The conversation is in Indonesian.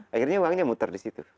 akhirnya uangnya muter di situ